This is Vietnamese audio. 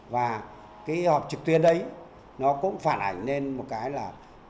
và cái họp trực tuyến đấy nó cũng phản ảnh lên một cái là